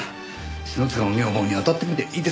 篠塚の女房にあたってみていいですかね？